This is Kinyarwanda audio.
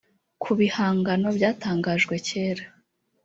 ku bihangano byatangajwe kera